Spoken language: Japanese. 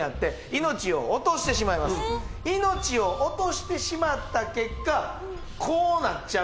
さなか命を落としてしまった結果こうなっちゃうのよ。